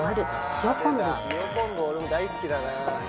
塩昆布俺も大好きだな。